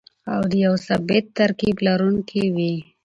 او د يو ثابت ترکيب لرونکي وي.